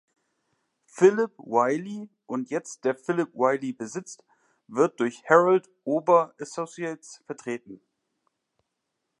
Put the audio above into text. Philip Wylie, und jetzt der Philip Wylie-Besitz, wird durch Harold Ober Associates vertreten.